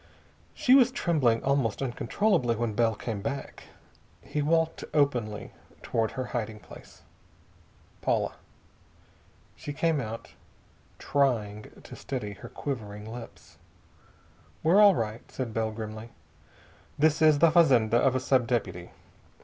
She was trembling almost uncontrollably when Bell came back. He walked openly toward her hiding place. "Paula." She came out, trying to steady her quivering lips. "We're all right," said Bell grimly. "This is the fazenda of a sub deputy.